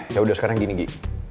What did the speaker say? ya udah sekarang gini gi